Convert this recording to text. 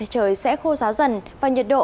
trời sẽ khô ráo dần và nhiệt độ